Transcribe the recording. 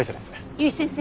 由井先生